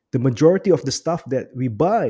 sebagian besar produk yang kami beli